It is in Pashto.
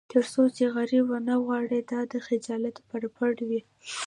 تر څو چې غرب ونه غواړي دا د خجالت پرپړه وي.